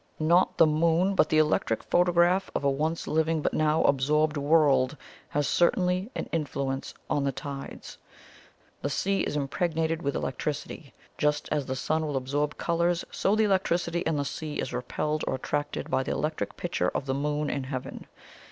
"Not the Moon, but the electric photograph of a once living but now absorbed world, has certainly an influence on the tides. The sea is impregnated with electricity. Just as the Sun will absorb colours, so the electricity in the sea is repelled or attracted by the electric picture of the Moon in Heaven.